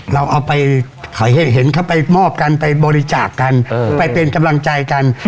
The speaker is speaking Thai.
เราเอาไปเห็นเขาไปมอบกันไปบริจาคกันไปเป็นกำลังใจกัน